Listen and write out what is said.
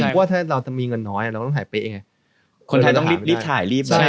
คนไทยต้องรีบถ่ายรีบไป